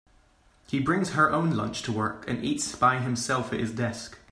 He brings her own lunch to work, and eats by himself at his desk.